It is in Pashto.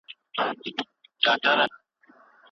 تاسي باید په خپل کار کې ډېر تېز اوسئ.